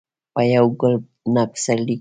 په یو ګل نه پسرلی کېږي